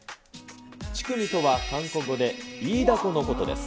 チュクミとは韓国語でイイダコのことです。